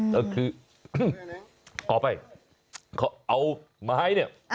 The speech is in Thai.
ก็คือเอาไปเอาไม้เนี่ย